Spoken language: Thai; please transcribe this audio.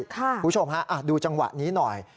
คุณผู้ชมฮะดูจังหวะนี้หน่อย